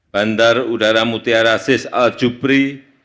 bandar udara mutiara sis al jubri